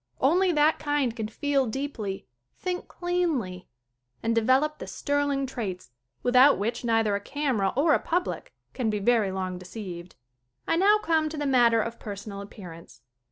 Only that kind can feel deeply, think cleanlv and develop the sterling traits without which neither a camera or a public can be very long deceived. I now come to the matter of personal ap pearance.